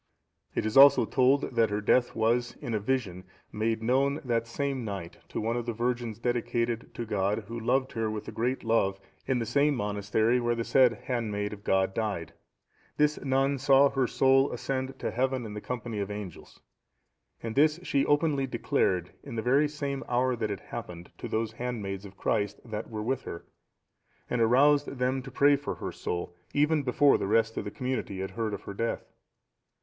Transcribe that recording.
It is also told, that her death was, in a vision, made known the same night to one of the virgins dedicated to God, who loved her with a great love, in the same monastery where the said handmaid of God died. This nun saw her soul ascend to heaven in the company of angels; and this she openly declared, in the very same hour that it happened, to those handmaids of Christ that were with her; and aroused them to pray for her soul, even before the rest of the community had heard of her death.